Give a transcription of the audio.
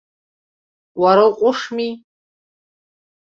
Уара уҟәышми?